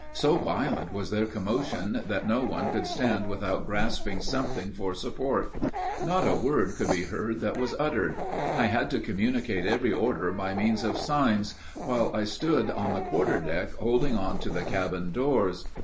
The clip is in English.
So violent was their commotion that no one could stand without grasping something for support. Not a word could be heard that was uttered. I had to communicate every order by means of signs, while I stood on the quarter deck holding on to the cabin doors.